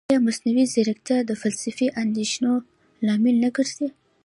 ایا مصنوعي ځیرکتیا د فلسفي اندېښنو لامل نه ګرځي؟